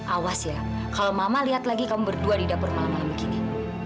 awas ya kalau mama lihat lagi kamu berdua di dapur malam malam begini